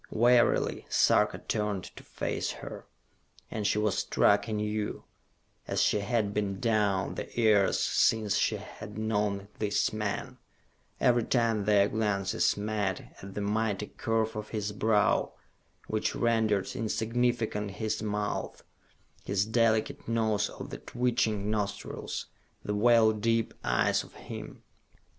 Wearily Sarka turned to face her, and she was struck anew, as she had been down the years since she had known this man, every time their glances met, at the mighty curve of his brow, which rendered insignificant his mouth, his delicate nose of the twitching nostrils, the well deep eyes of him.